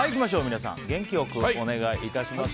皆さん元気良くお願いします。